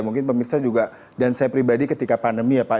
mungkin pemirsa juga dan saya pribadi ketika pandemi ya pak